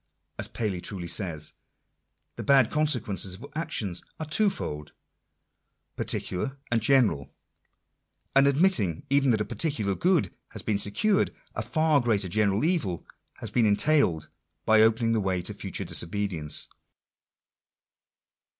As Paley truly says, "the bad consequences of actions are twofold, particular and general And admitting even that a particular good has been secured, a far greater general evil has been entailed by opening the way to future disobedience.